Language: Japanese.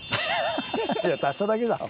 ハハハハいや足しただけだろ。